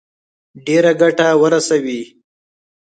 ډېره ګټه ورسوي.